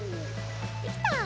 できた！